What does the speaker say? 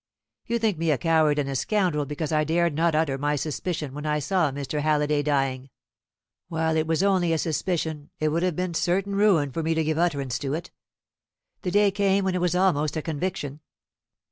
You think me a coward and a scoundrel because I dared not utter my suspicion when I saw Mr. Halliday dying. While it was only a suspicion it would have been certain ruin for me to give utterance to it. The day came when it was almost a conviction.